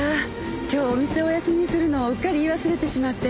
今日お店をお休みするのをうっかり言い忘れてしまって。